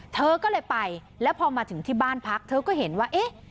เธอก็เลยไปแล้วพอมาถึงที่บ้านพักเธอก็เห็นว่าเอ๊ะ